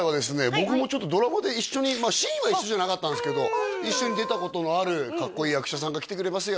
僕もちょっとドラマで一緒にまあシーンは一緒じゃなかったんですけど一緒に出たことのあるかっこいい役者さんが来てくれますよ